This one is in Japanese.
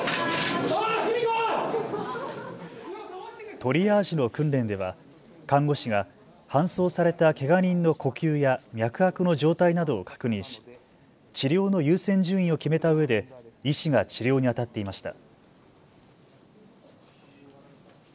トリアージの訓練では看護師が搬送されたけが人の呼吸や脈拍の状態などを確認し治療の優先順位を決めたうえで医師が治療にあたっていました。